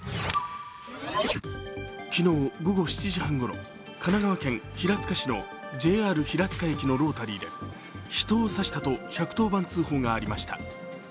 昨日、午後７時半ごろ神奈川県平塚市のＪＲ平塚駅のロータリーで人を刺したと１１０番通報がありました。